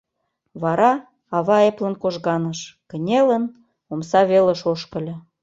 Вара ава эплын кожганыш, кынелын, омса велыш ошкыльо.